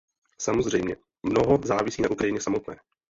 Samozřejmě, mnoho závisí na Ukrajině samotné.